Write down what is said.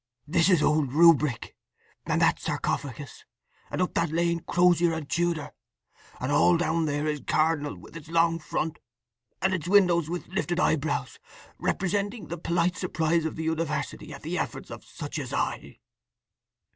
"This is old Rubric. And that Sarcophagus; and up that lane Crozier and Tudor: and all down there is Cardinal with its long front, and its windows with lifted eyebrows, representing the polite surprise of the university at the efforts of such as I."